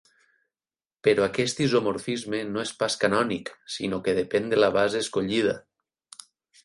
Però aquest isomorfisme no és pas canònic, sinó que depèn de la base escollida.